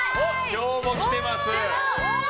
今日も来てます。